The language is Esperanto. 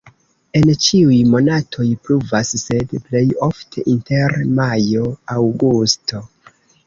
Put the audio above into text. En ĉiuj monatoj pluvas, sed plej ofte inter majo-aŭgusto.